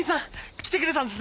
来てくれたんですね。